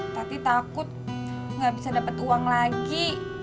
tati takut gak bisa dapet uang lagi